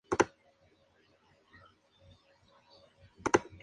Su prevalencia es inferior a un caso por millón de habitantes.